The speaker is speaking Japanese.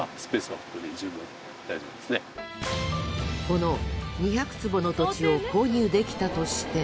この２００坪の土地を購入できたとして。